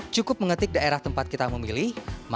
cukup mengetik daerah tempat kita memilih